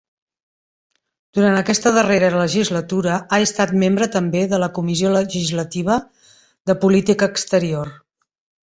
Durant aquesta darrera legislatura ha estat membre també de la Comissió Legislativa de Política Exterior.